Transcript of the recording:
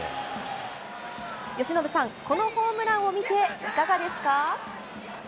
由伸さん、このホームランを見て、いかがですか。